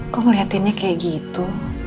kok ngeliatinnya kayak gitu